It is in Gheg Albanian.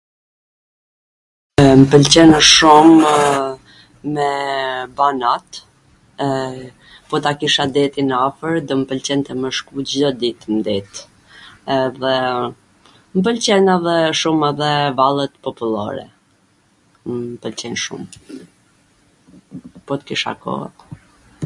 m pwlqen shumw me ba not, po ta kisha detin afwr do m pwlqente me shku Cdo dit n det dhe m pwlqen ma shum edhe vallet popullore... mw pwlqejn shum... po t kisha koh